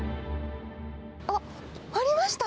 あっ、ありました。